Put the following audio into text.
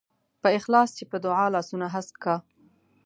په اخلاص چې په دعا لاسونه هسک کا.